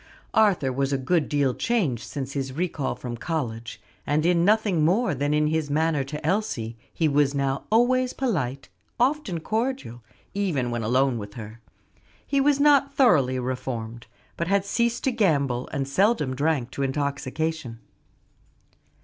Arthur was a good deal changed since his recall from college; and in nothing more than in his manner to Elsie; he was now always polite; often cordial even when alone with her. He was not thoroughly reformed, but had ceased to gamble and seldom drank to intoxication.